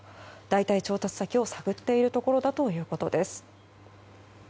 代替調達先を探っているところだということです。